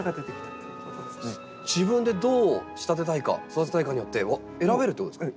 自分でどう仕立てたいか育てたいかによって選べるってことですか？